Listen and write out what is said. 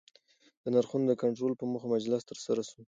د نرخونو د کنټرول په موخه مجلس ترسره سو